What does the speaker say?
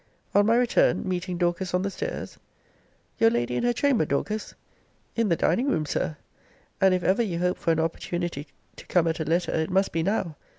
On my return, meeting Dorcas on the stairs Your lady in her chamber, Dorcas? In the dining room, sir: and if ever you hope for an opportunity to come at a letter, it must be now.